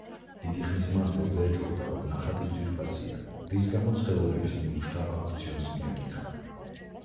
დიდი ხნის მანძილზე ეჭვობდა, რომ ნახატი ძვირფასია, რის გამოც ხელოვნების ნიმუშთა აუქციონს მიაკითხა.